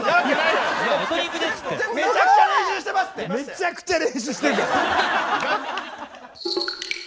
めちゃくちゃ練習してますって！